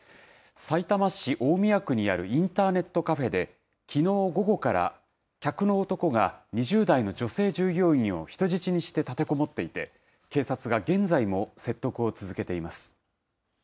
さいたま市大宮区にあるインターネットカフェで、きのう午後から客の男が、２０代の女性従業員を人質にして立てこもっていて、警察が現在も説得を続けています。